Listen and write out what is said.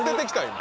今。